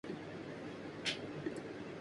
ی حاصل نہیں کر سک